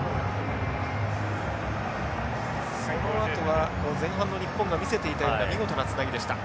そのあとは前半の日本が見せていたような見事なつなぎでした。